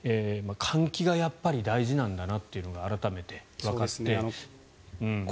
換気がやはり大事なんだなというのが改めてわかったと。